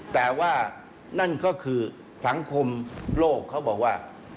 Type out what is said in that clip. แต่ว่านั่นก็คือสังคมโลกเขาบอกว่า